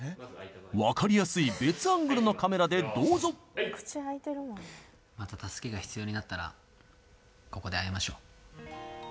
分かりやすい別アングルのカメラでどうぞまた助けが必要になったらここで会いましょう